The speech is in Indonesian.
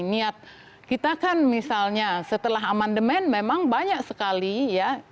niat kita kan misalnya setelah amandemen memang banyak sekali ya